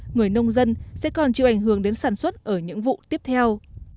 người nông dân sẽ còn chịu ảnh hưởng đến sản xuất ở những vụ tiếp theo